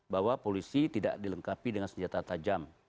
bahwa polisi tidak dilengkapi dengan senjata tajam